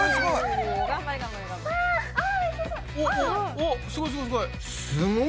おっすごいすごいすごい。